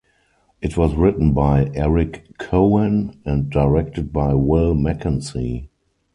It was written by Eric Cohen and directed by Will Mackenzie.